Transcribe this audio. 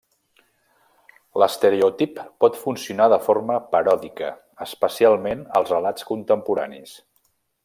L'estereotip pot funcionar de forma paròdica, especialment als relats contemporanis.